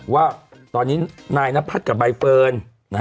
ว่าตอนนี้นายนพัฒน์กับใบเฟิร์น